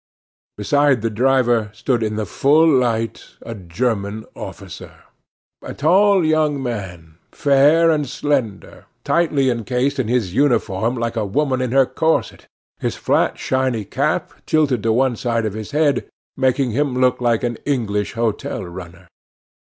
Beside the driver stood in the full light a German officer, a tall young man, fair and slender, tightly encased in his uniform like a woman in her corset, his flat shiny cap, tilted to one side of his head, making him look like an English hotel runner.